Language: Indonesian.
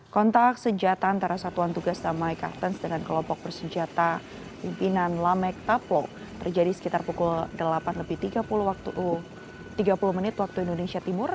kontak senjata antara satuan tugas damai kartens dengan kelompok bersenjata pimpinan lamek taplo terjadi sekitar pukul delapan lebih tiga puluh tiga puluh menit waktu indonesia timur